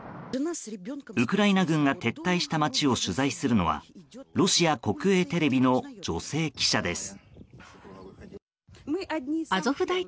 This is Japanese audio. ウクライナ軍が撤退した街を取材するのはロシア国営テレビの女性記者です。